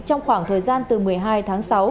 trong khoảng thời gian từ một mươi hai tháng sáu